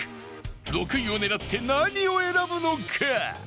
６位を狙って何を選ぶのか？